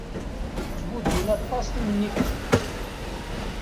Ttbuddun aṭas timennifrit.